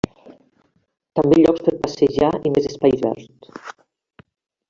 També llocs per passejar i més espais verds.